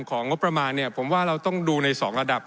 ของงบประมาณเนี่ยผมว่าเราต้องดูใน๒ระดับ